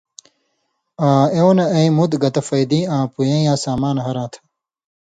آں اېوں نہ اېں (مُت گتہ) فَیدی آں پویں یاں سامان ہراں تھہ؛